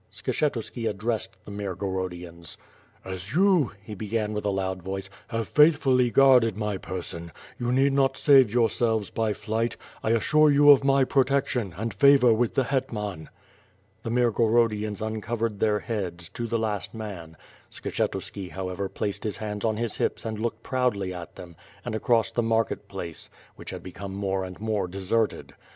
Skshetuski addressed the Mirogodians. "As you," he began with a loud voice, "have faithfully guarded my person, you need not save yourselves by flight. I assure you of my protection, and favor with the hetman." The Mirgorodians uncovered their heads, to the last man, Skshetuski, however, placed his hands on his hips and looked proudly at them, and across the market place, which had be come more and more deserted.